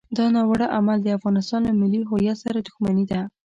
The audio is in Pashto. دا ناوړه عمل د افغانستان له ملي هویت سره دښمني ده.